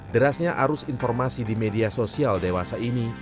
derasnya arus informasi di media sosial dewasa ini